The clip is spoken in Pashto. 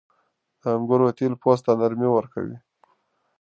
• د انګورو تېل پوست ته نرمي ورکوي.